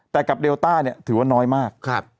แต่กับเดลต้าเนี่ยถือว่าน้อยมาก